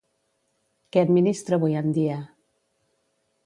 Què administra avui en dia?